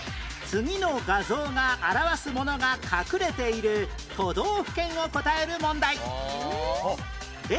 次の画像が表すものが隠れている都道府県をお書きください。